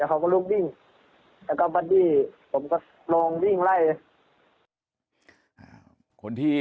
แต่ว่าสุดท้ายก็ตามจนทัน